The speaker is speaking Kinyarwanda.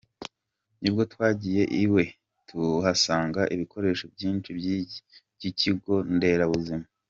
Nibwo twagiye iwe tuhasanga ibikoresho byinshi by’ikigo nderabuzima.